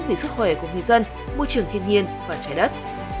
vì sức khỏe của người dân môi trường thiên nhiên và trái đất